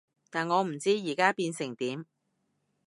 但我唔知而家變成點